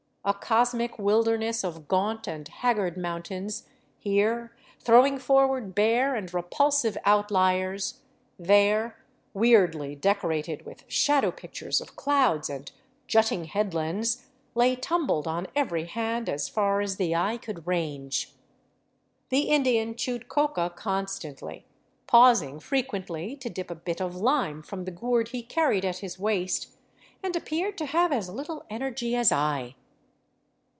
A cosmic wilderness of gaunt and haggard mountains, here throwing forward bare and repulsive outliers, there weirdly decorated with shadow pictures of clouds and jutting headlands, lay tumbled on every hand as far as the eye could range. The Indian chewed coca constantly, pausing frequently to dip a bit of lime from the gourd he carried at his waist, and appeared to have as little energy as I.